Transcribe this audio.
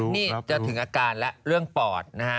นี่จะถึงอาการแล้วเรื่องปอดนะฮะ